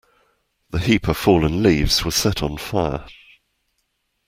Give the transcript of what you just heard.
The heap of fallen leaves was set on fire.